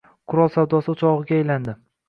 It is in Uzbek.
Qurol savdosi oʻchogʻiga aylandi